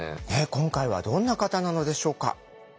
今回はどんな方なのでしょうか。